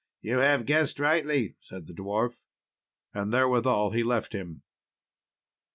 "You have guessed rightly," said the dwarf, and therewithal he left him.